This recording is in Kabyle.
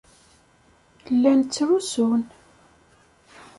Llan ttrusun.